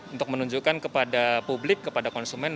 untuk menunjukkan kepada publik kepada konsumen